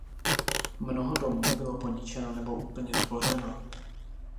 Mnoho domů bylo poničeno nebo úplně zbořeno.